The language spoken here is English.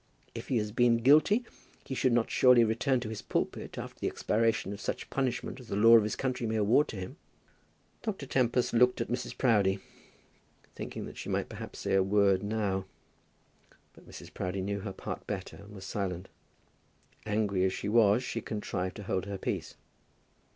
If he has been guilty, he should not surely return to his pulpit after the expiration of such punishment as the law of his country may award to him." Dr. Tempest looked at Mrs. Proudie, thinking that she might perhaps say a word now; but Mrs. Proudie knew her part better and was silent. Angry as she was, she contrived to hold her peace.